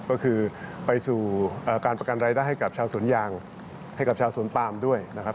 ก็คือไปสู่การประกันรายได้ให้กับชาวสวนยางให้กับชาวสวนปามด้วยนะครับ